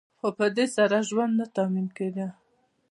خو په دې سره ژوند نه تأمین کیده.